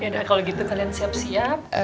ya kalau gitu kalian siap siap